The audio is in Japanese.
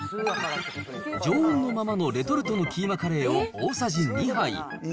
常温のままのレトルトのキーマカレーを大さじ２杯。